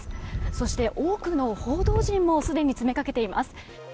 そして多くの報道陣もすでに詰めかけています。